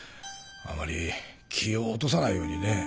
あまり気を落とさないようにね。